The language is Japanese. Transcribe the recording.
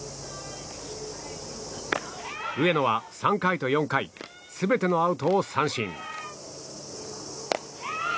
上野は３回と４回全てのアウトを三振。